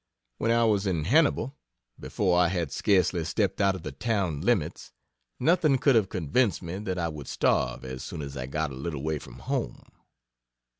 When I was in Hannibal, before I had scarcely stepped out of the town limits, nothing could have convinced me that I would starve as soon as I got a little way from home....